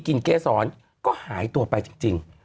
เกษรก็หายตัวไปจริง